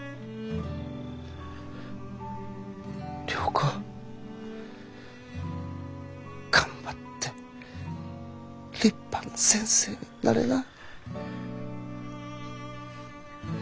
良子頑張って立派な先生になれな。